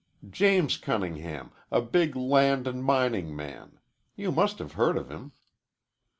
"James Cunningham, a big land and mining man. You must have heard of him."